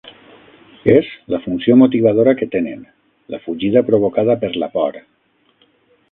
És la funció motivadora que tenen: la fugida provocada per la por.